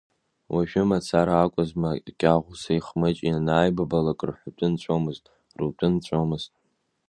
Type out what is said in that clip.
Уажәы мацара акәызма, Кьаӷәсеи Хмыҷи ианааибабалак, рҳәатәы нҵәомызт, рутәы нҵәомызт.